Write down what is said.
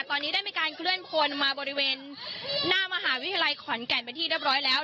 ตอนนี้ได้มีการเคลื่อนคนมาบริเวณหน้ามหาวิทยาลัยขอนแก่นเป็นที่เรียบร้อยแล้ว